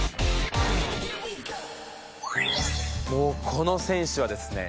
もうこの選手はですね